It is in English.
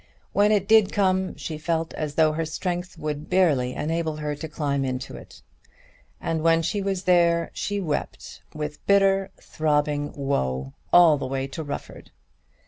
When it did come she felt as though her strength would barely enable her to climb into it. And when she was there she wept, with bitter throbbing woe, all the way to Rufford.